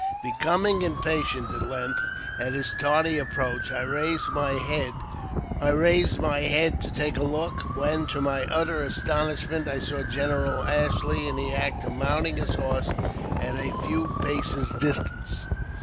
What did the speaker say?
Becom'ng impatient,, at length, at his tardy approach I raised my head to take a look, when, to my utter astonishment, I saw General Ashley In the act of mounting his horse at a few paces' distance.